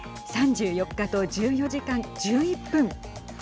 ３４日と１４時間１１分。